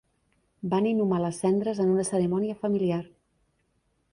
Van inhumar les seves cendres en una cerimònia familiar.